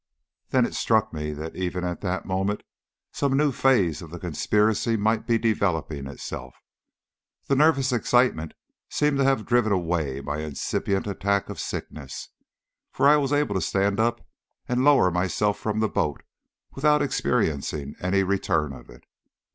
Then it struck me that even at that moment some new phase of the conspiracy might be developing itself. The nervous excitement seemed to have driven away my incipient attack of sickness, for I was able to stand up and lower myself from the boat without experiencing any return of it.